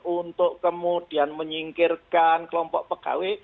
untuk kemudian menyingkirkan kelompok pegawai